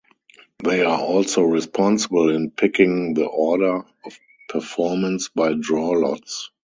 They are also responsible in picking the order of performance by draw lots.